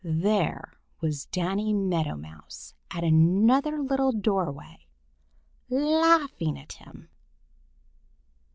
There was Danny Meadow Mouse at another little doorway laughing at him!